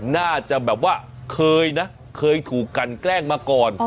น่าจะแบบว่าเคยนะเคยถูกกันแกล้งมาก่อน